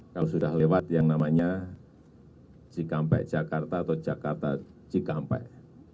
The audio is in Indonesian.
kalau sudah lewat yang namanya cikampek jakarta atau jakarta cikampek